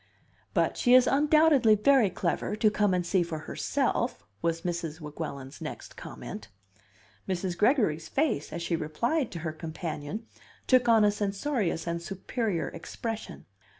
"But she is undoubtedly very clever to come and see for herself," was Mrs. Weguelin's next comment. Mrs. Gregory's face, as she replied to her companion, took on a censorious and superior expression.